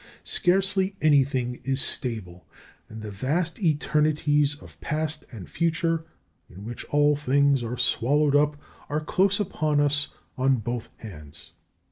Scarcely anything is stable, and the vast eternities of past and future in which all things are swallowed up are close upon us on both hands.